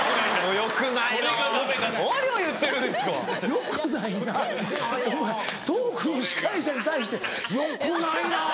「よくないな」ってお前トークの司会者に対して「よくないな」。